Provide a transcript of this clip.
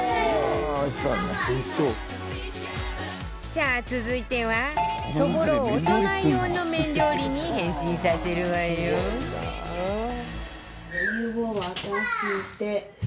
さあ、続いてはそぼろを大人用の麺料理に変身させるわよ。